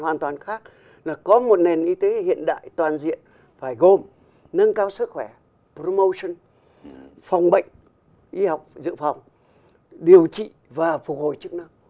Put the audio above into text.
hoàn toàn khác là có một nền y tế hiện đại toàn diện phải gồm nâng cao sức khỏe promotion phòng bệnh y học dự phòng điều trị và phục hồi chức năng